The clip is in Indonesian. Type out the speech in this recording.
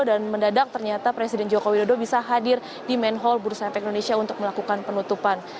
mendadak ternyata presiden joko widodo bisa hadir di main hall bursa efek indonesia untuk melakukan penutupan